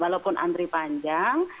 walaupun antri panjang